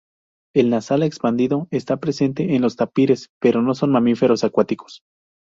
El nasal expandido está presente en los tapires, pero no son mamíferos acuáticos.